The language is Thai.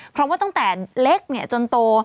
เพราะว่าตั้งแต่เล็กจนโต